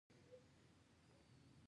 دا رنګ ښایسته دی